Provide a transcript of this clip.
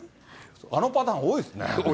あのパターン、多いですね。